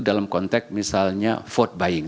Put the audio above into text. dalam konteks misalnya vote buying